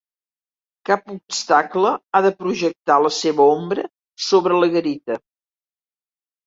Cap obstacle ha de projectar la seva ombra sobre la garita.